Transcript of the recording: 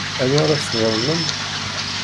Anwa ara tesḍelmem?